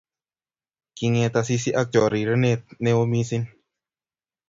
Kinget Asisi ak chorirenet neo missing